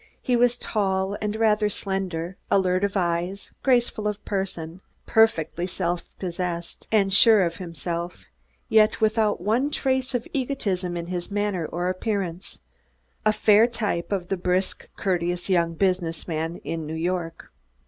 He was tall and rather slender, alert of eyes, graceful of person; perfectly self possessed and sure of himself, yet without one trace of egotism in manner or appearance a fair type of the brisk, courteous young business man of New York.